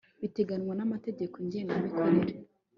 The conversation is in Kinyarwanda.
biteganywa n amategeko ngengamikorere